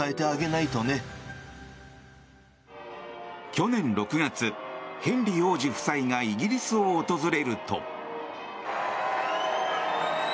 去年６月、ヘンリー王子夫妻がイギリスを訪れると。